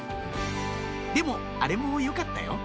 でもあれもよかったよ